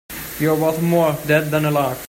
You're worth more dead than alive.